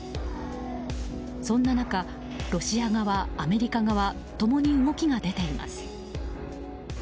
そんな中、ロシア側、アメリカ側共に動きが出ています。